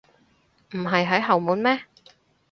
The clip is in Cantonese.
唔係喺後門咩？